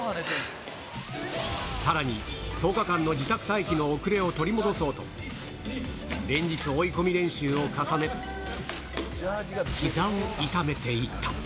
さらに１０日間の自宅待機の遅れを取り戻そうと、連日、追い込み練習を重ね、ひざを痛めていた。